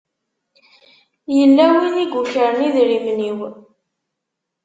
Yella win i yukren idrimen-iw.